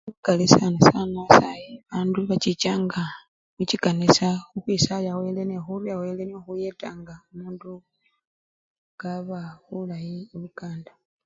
Lukali sayi sana sana bandu bachichanga muchikanisa khukhwisaya wele nekhurya wele nikhwo khuyetanga omundu kaba bulayi ibukanda.